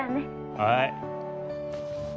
はい。